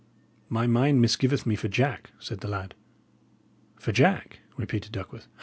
"My mind misgiveth me for Jack," said the lad. "For Jack!" repeated Duckworth.